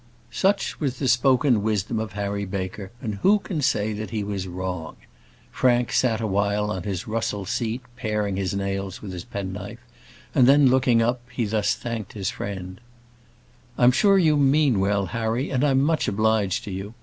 Such was the spoken wisdom of Harry Baker, and who can say that he was wrong? Frank sat a while on his rustle seat, paring his nails with his penknife, and then looking up, he thus thanked his friend: "I'm sure you mean well, Harry; and I'm much obliged to you.